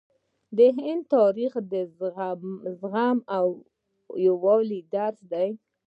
د هند تاریخ د زغم او یووالي درس دی.